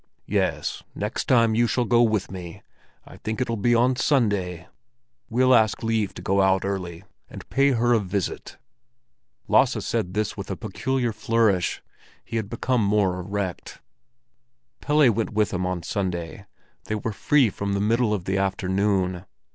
"Yes, next time you shall go with me. I think it'll be on Sunday. We'll ask leave to go out early, and pay her a visit." Lasse said this with a peculiar flourish; he had become more erect. Pelle went with him on Sunday; they were free from the middle of the afternoon.